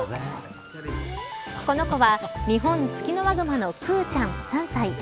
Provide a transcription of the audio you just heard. この子はニホンツキノワグマのクゥちゃん、３歳。